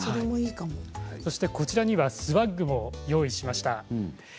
こちらにはスワッグも用意しました。